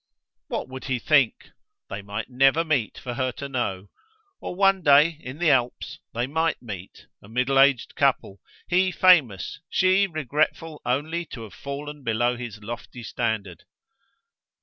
What would he think? They might never meet, for her to know. Or one day in the Alps they might meet, a middle aged couple, he famous, she regretful only to have fallen below his lofty standard.